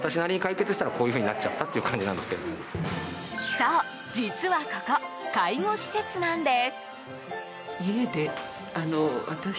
そう、実はここ介護施設なんです。